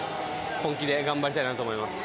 本気で頑張りたいなと思います。